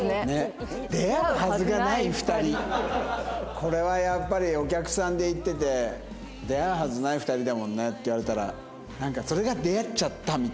これはやっぱりお客さんで行ってて「出会うはずない２人だもんね」って言われたらなんかそれが出会っちゃったみたいな。